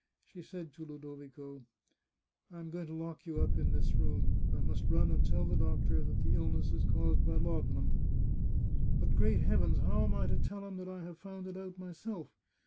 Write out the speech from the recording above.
She said to Ludovico :" I am going to lock you up in this room. I must run and tell the doctor that the illness is caused by laudanum. But, great heavens ! how am I to tell him that I have found it out myself!